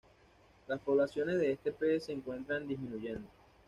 Las poblaciones de este pez se encuentran disminuyendo.